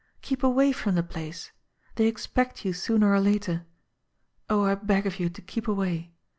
Keep away from the place. They expect you sooner or later. Oh, I beg of you to keep away